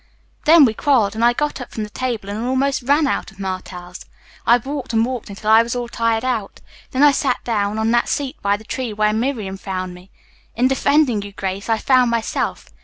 Then we quarreled and I got up from the table and almost ran out of Martell's. "I walked and walked until I was all tired out. Then I sat down on that seat by the tree where Miriam found me. In defending you, Grace, I found myself.